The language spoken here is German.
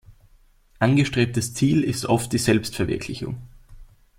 Angestrebtes Ziel ist oft die Selbstverwirklichung.